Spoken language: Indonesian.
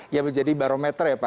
ya menjadi barometer ya pak